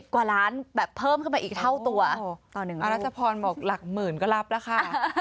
กว่าล้านแบบเพิ่มขึ้นไปอีกเท่าตัวต่อ๑อรัชพรบอกหลักหมื่นก็รับแล้วค่ะ